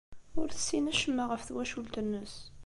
Ur tessin acemma ɣef twacult-nnes.